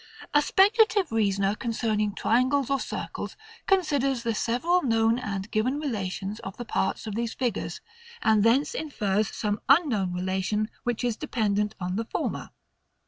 A speculative reasoner concerning triangles or circles considers the several known and given relations of the parts of these figures; and thence infers some unknown relation, which is dependent on the former.